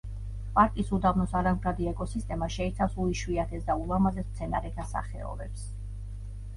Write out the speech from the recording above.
პარკის უდაბნოს არამდგრადი ეკოსისტემა შეიცავს უიშვიათეს და ულამაზეს მცენარეთა სახეობებს.